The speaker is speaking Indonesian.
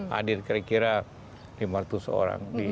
hadir kira kira lima ratus orang